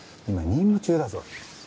今任務中だぞ。